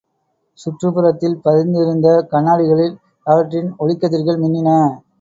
சுற்றுப்புறத்தில் பதிந்திருந்த கண்ணாடிகளில் அவற்றின் ஒளிக்கதிர்கள் மின்னின.